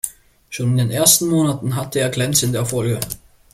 Schon in den ersten Monaten hatte er glänzende Erfolge.